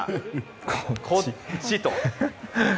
こっちと。